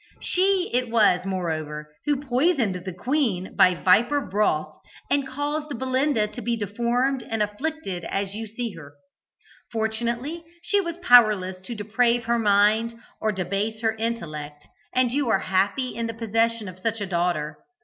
She it was, moreover, who poisoned the queen by viper broth, and caused Belinda to be deformed and afflicted as you see her. Fortunately, she was powerless to deprave her mind, or debase her intellect, and you are happy in the possession of such a daughter.